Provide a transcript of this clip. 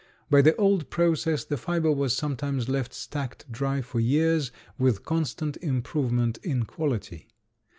By the old process the fiber was sometimes left stacked dry for years with constant improvement in quality.